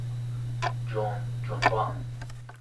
جنب جنبان